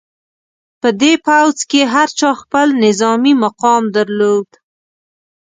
په دې پوځ کې هر چا خپل نظامي مقام درلود.